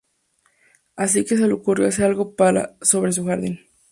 Así que se le ocurrió hacer algo sobre su jardín.